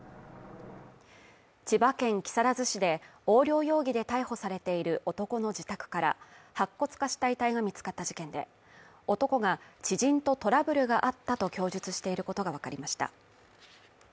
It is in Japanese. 千葉県木更津市で横領容疑で逮捕されている男の自宅から白骨化した遺体が見つかった事件で男が知人とトラブルがあったと供述していることがわかりました。